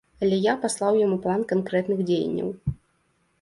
Але я паслаў яму план канкрэтных дзеянняў.